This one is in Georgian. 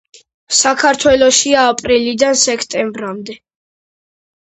საქართველოშია აპრილიდან სექტემბრამდე.